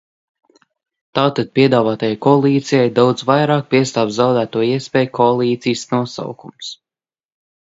Tātad piedāvātajai koalīcijai daudz vairāk piestāv zaudēto iespēju koalīcijas nosaukums.